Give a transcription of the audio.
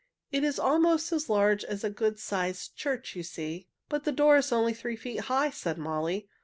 It is almost as large as a good sized church, you see." "But the door is only three feet high," said Molly.